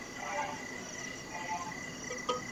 هغه په ګڼ ځای کي د ږغ سره ډوډۍ راوړله.